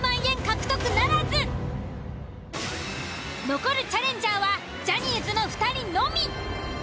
残るチャレンジャーはジャニーズの２人のみ。